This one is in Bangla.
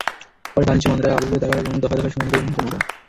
পরে বাণিজ্য মন্ত্রণালয়ে আপিল করে তারা এবং দফায় দফায় শুনানি করে মন্ত্রণালয়।